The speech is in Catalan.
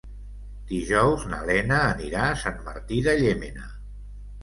Dijous na Lena anirà a Sant Martí de Llémena.